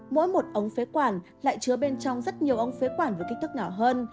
mỗi một ống phế quản lại chứa bên trong rất nhiều ống phế quản với kích thước nhỏ hơn